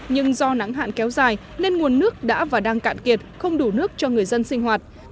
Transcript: nhưng do nắng hạn kéo dài nên nguồn nước đã và đang cạn kiệt không đủ nước cho người dân sinh hoạt